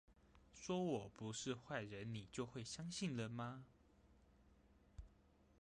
說我不是壞人你就會相信了嗎？